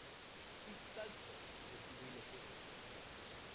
The sculptures would be relocated.